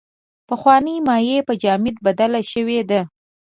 پخوانۍ مایع په جامد بدله شوې ده.